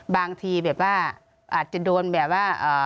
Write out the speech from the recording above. บางทีอาจจะโดนแบบว่า